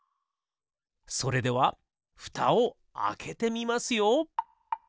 それではふたをあけてみますよ。